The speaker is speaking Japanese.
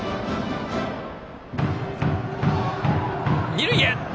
二塁へ。